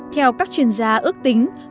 theo các chuyên gia ước tính